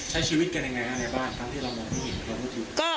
ใช้ชีวิตกันยังไงในบ้าน